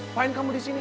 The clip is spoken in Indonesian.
apa yang kamu di sini